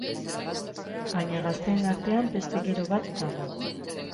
Baina gazteen artean beste giro bat dago.